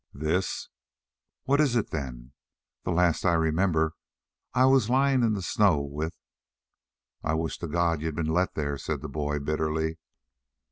"This?" "What is it, then? The last I remember I was lying in the snow with " "I wish to God you'd been let there," said the boy bitterly.